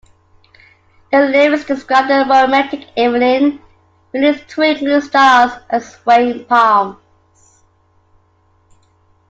The lyrics describe a romantic evening beneath twinkling stars and swaying palms.